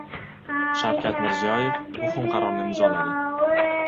Shavkat Mirziyoyev muhim qarorni imzoladi